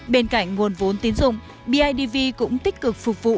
bên cạnh nguồn vốn tín dụng bidv cũng tích cực phục vụ